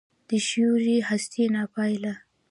د ښېوې هستي ناپایه